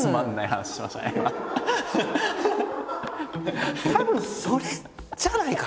たぶんそれじゃないかな。